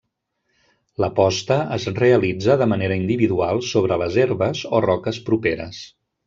La posta es realitza de manera individual sobre les herbes o roques properes.